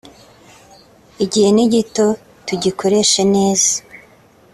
igihe ni gito tugikoreshe neza